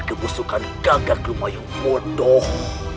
kebusukan gagak rumah yang bodoh